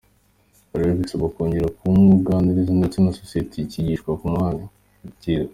Aho rero bisaba kongera kumuganiriza ndetse na sosiyete ikigishwa kumwakira.